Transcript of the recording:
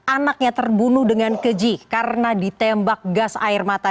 anaknya terbunuh dengan keji karena ditembak gas air mata